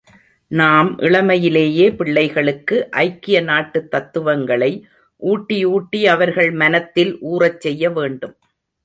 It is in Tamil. நாம் இளமையிலேயே பிள்ளைகளுக்கு ஐக்கிய நாட்டுத் தத்துவங்களை ஊட்டி ஊட்டி அவர்கள் மனத்தில் ஊறச் செய்ய வேண்டும்.